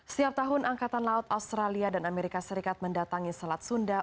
setiap tahun angkatan laut australia dan amerika serikat mendatangi selat sunda